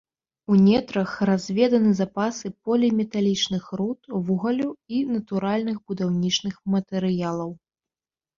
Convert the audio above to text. У нетрах разведаны запасы поліметалічных руд, вугалю і натуральных будаўнічых матэрыялаў.